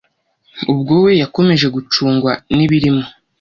ubwo we yakomeje gucangwa nibirimo